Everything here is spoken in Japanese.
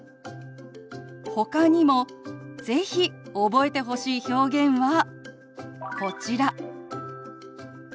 ほかにも是非覚えてほしい表現はこちら。